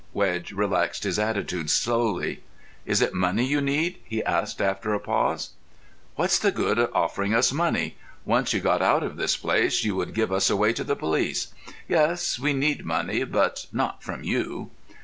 Wedge relaxed his attitude slowly. "Is it money you need?" he asked, after a pause. "What's the good of offering us money? Once you got out of this place, you would give us away to the police. Yes, we need money, but not from you."